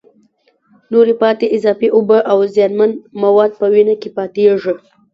نورې پاتې اضافي اوبه او زیانمن مواد په وینه کې پاتېږي.